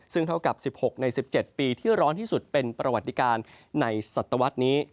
ซึ่งเท่ากับ๑๖ใน๑๗ปีที่ร้อนที่สุดเป็นประวัติการในศตวรรษนี้